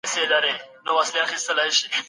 خلیفه ګرځول د خدای لوی احسان دی.